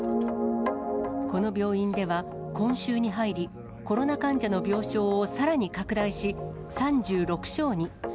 この病院では、今週に入りコロナ患者の病床をさらに拡大し、３６床に。